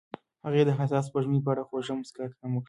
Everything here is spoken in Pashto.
هغې د حساس سپوږمۍ په اړه خوږه موسکا هم وکړه.